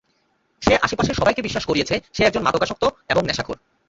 সে আশেপাশের সবাইকে বিশ্বাস করিয়েছে সে একজন মাদকাসক্ত এবং নেশাখোর।